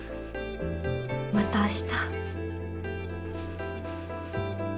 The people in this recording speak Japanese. また明日。